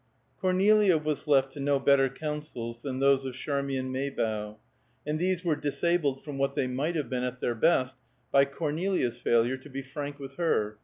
Cornelia was left to no better counsels than those of Charmian Maybough, and these were disabled from what they might have been at their best, by Cornelia's failure to be frank with her.